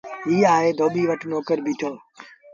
ائيٚݩ آئي ڌوٻيٚ وٽ نوڪر بيٚٺو۔